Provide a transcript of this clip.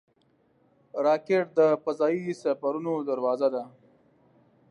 راکټ د فضايي سفرونو دروازه ده